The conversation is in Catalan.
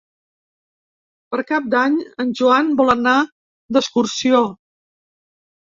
Per Cap d'Any en Joan vol anar d'excursió.